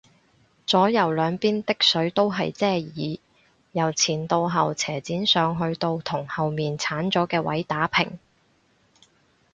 左右兩邊的水都係遮耳，由前到後斜剪上去到同後面剷咗嘅位打平